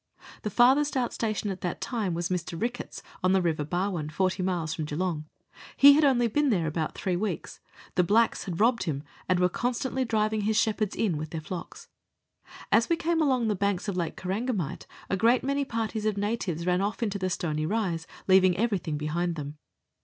The farthest out station at that time was Mr Ricketts's, on the River Barwon, 40 miles from Geelong ; he had only been there about three weeks ; the blacks bad robbed him, and were constantly driving his shepherds in with their flocks. As we came along the banks of Lake Korangamite a great many parties of natives ran off into the stony rise, leaving everything behind them.